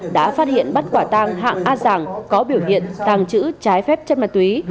đã phát hiện bắt quả tàng hạng a giàng có biểu hiện tàng chữ trái phép chất ma túy